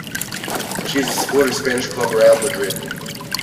She is a supporter of Spanish Club Real Madrid.